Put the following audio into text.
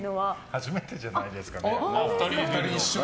初めてじゃないですかね。